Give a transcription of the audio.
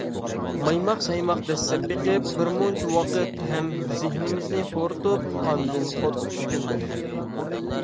مايماق-سايماق دەسسەپ بېقىپ، بىرمۇنچە ۋاقىت ھەم زېھنىمىزنى خورىتىپ ئاندىن خوتقا چۈشكەن بولدۇق.